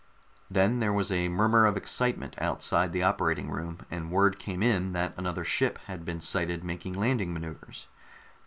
Then there was a murmur of excitement outside the operating room, and word came in that another ship had been sighted making landing maneuvers.